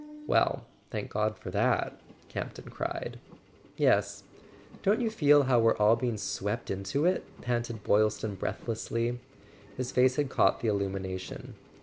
"Well, thank God for that," Campton cried. "Yes. Don't you feel how we're all being swept into it?" panted Boylston breathlessly. His face had caught the illumination.